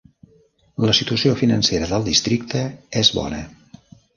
La situació financera del districte és bona.